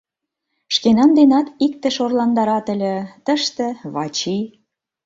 Шкенан денат иктыш орландарат ыле, тыште — Вачи...